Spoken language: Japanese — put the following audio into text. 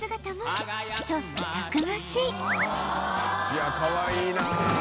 いやあかわいいな。